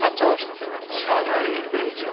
社内ベンチャー？